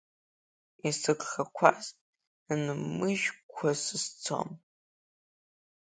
Исыгхақәаз нмыжькәа сызцом!